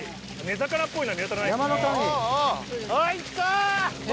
根魚っぽいのは見当たらない。